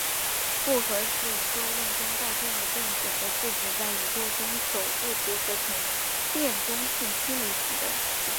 复合是宇宙论中带电的电子和质子在宇宙中首度结合成电中性氢原子的时代。